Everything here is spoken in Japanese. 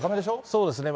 そうですね。